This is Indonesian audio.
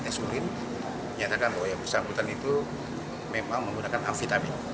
esurin menyatakan oleh pesakitan itu memang menggunakan amfetamin